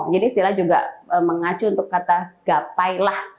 jadi silsilah juga mengacu untuk kata gapailah